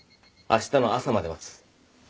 あしたの朝まで待つ。